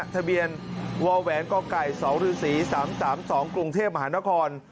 ทะเบียนวแหวนกไก่๒ฤษ๓๓๒กรุงเทพมหานคร